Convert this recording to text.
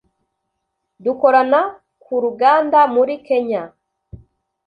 dukorana kuruganda muri kenya